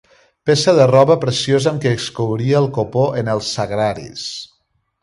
Peça de roba preciosa amb què es cobria el copó en els sagraris.